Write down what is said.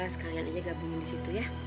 sekalian aja gabungin di situ ya